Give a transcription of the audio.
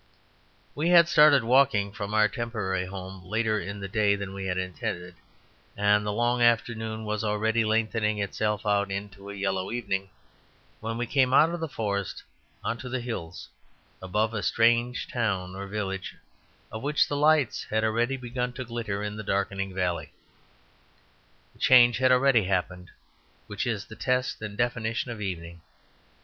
We had started walking from our temporary home later in the day than we intended; and the long afternoon was already lengthening itself out into a yellow evening when we came out of the forest on to the hills above a strange town or village, of which the lights had already begun to glitter in the darkening valley. The change had already happened which is the test and definition of evening.